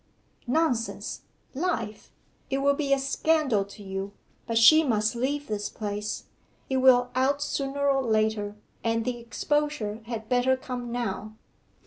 'Nonsense! Life! It will be a scandal to you, but she must leave this place. It will out sooner or later, and the exposure had better come now.